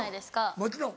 もちろん。